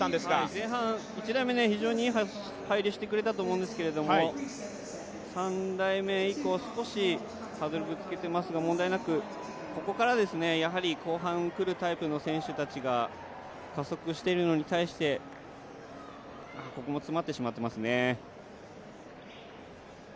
前半、１台目、非常にいい入りしてくれたと思うんですけれど３台目以降、少しハードルにぶつけていますが問題なく、ここから後半来るタイプの選手たちが加速しているのに対して、ここも詰まってしまってますね。